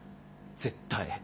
絶対。